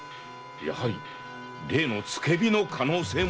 やはり例の付け火の可能性も。